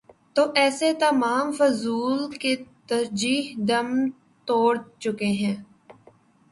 تو ایسے تمام فضول کے تجزیے دم توڑ چکے ہیں۔